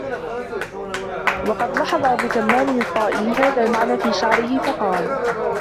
وَقَدْ لَحَظَ أَبُو تَمَّامٍ الطَّائِيُّ هَذَا الْمَعْنَى فِي شَعْرِهِ فَقَالَ